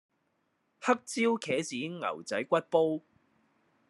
黑椒茄子牛仔骨煲